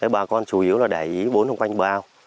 bà con chủ yếu là để ý vốn quanh bờ ao